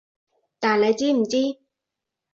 但你知唔知？